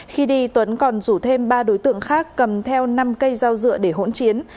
khi đi tuấn còn rủ thêm ba đối tượng khác cầm theo năm cây dao dựa để hỗn chiến